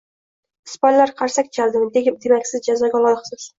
Ispanlar qarsak chaldimi, demak siz jazoga loyiqsiz